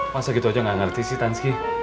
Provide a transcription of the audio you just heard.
masa gitu aja nggak ngerti sih tanski